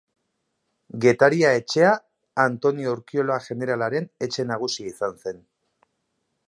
Getaria etxea Antonio Urkiola jeneralaren etxe nagusia izan zen.